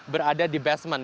berada di basement